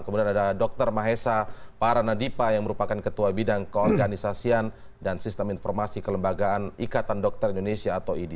kemudian ada dr mahesa paranadipa yang merupakan ketua bidang keorganisasian dan sistem informasi kelembagaan ikatan dokter indonesia atau idi